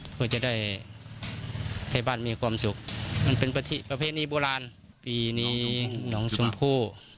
เพื่อจะได้ให้บ้านมีความสุขมันเป็นประเพณีโบราณปีนี้น้องชมพู่